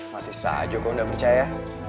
masih saja kau gak percaya